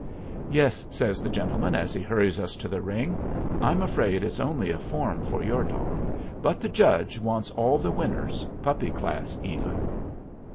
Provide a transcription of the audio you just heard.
"Yes," says the gentleman, as he hurries us to the ring. "I'm afraid it's only a form for your dog, but the judge wants all the winners, puppy class even."